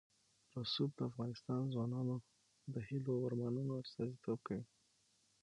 رسوب د افغان ځوانانو د هیلو او ارمانونو استازیتوب کوي.